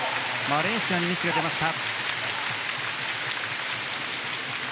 マレーシアにミスが出ました。